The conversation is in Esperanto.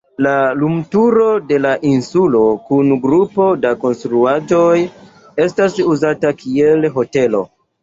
La lumturo de la insulo kun grupo da konstruaĵoj etas uzata kiel hotelo.